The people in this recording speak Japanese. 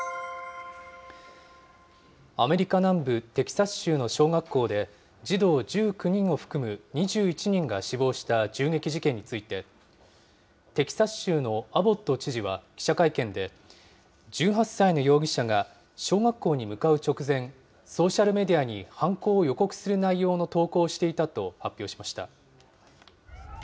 アメリカ南部テキサス州の小学校で、児童１９人を含む２１人が死亡した銃撃事件について、テキサス州のアボット知事は記者会見で、１８歳の容疑者が小学校に向かう直前、ソーシャルメディアに犯行を予告する内容の投稿をしていたと発表しました。